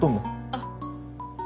あっ。